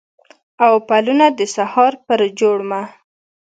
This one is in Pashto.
او پلونه د سهار پر جوړمه